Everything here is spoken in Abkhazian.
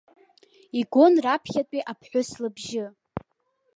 Игон раԥхьатәи аԥҳәыс лыбжьы.